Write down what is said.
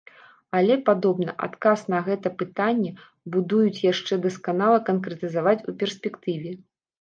Але, падобна, адказ на гэта пытанне будуюць яшчэ дасканала канкрэтызаваць ў перспектыве.